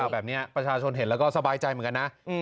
ประชาชนเห็นแล้วก็สบายใจเหมือนกันนะ